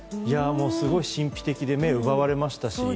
神秘的で目を奪われましたし。